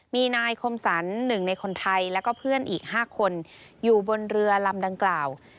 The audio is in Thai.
มีนายคมสรรหนึ่งในคนไทยแล้วก็เพื่อนอีก๕คนอยู่บนเรือลำดังกล่าว